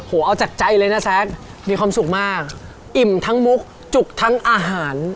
โอ้โหเอาจากใจเลยนะแซ็กมีความสุขมากอิ่มทั้งมุกจุกทั้งอาหาร